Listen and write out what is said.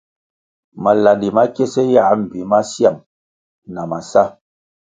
Malandi ma kiese yãh mbpi masiang na masá.